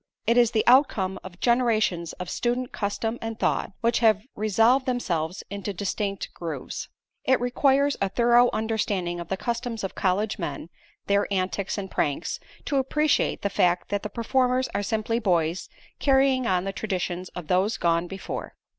It is the outcome of generations of student custom and thought, which have resolved themselves into distinct grooves. It requires a thorough understanding of the customs of college men, their antics and pranks, to appreciate the fact that the performers are simply boys, carrying on the traditions of those gone before.